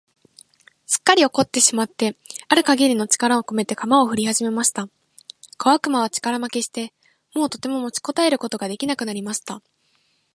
すっかり怒ってしまってある限りの力をこめて、鎌をふりはじました。小悪魔は力負けして、もうとても持ちこたえることが出来なくなりました。